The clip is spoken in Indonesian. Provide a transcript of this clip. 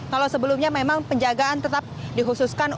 kalau sebelumnya memang penjagaan tetap dihususkan